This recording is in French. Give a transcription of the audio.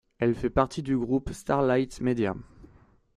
Elle fait partie du groupe StartLightMedia.